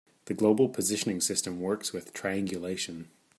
The global positioning system works with triangulation.